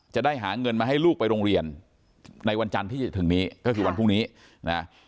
จะได้หาเงินมาให้ลูกไปโรงเรียนในวันจันทร์ที่จะถึงนี้ก็คือวันพรุ่งนี้นะ